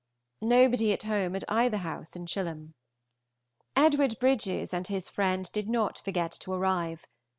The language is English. Nobody at home at either house in Chilham. Edward Bridges and his friend did not forget to arrive.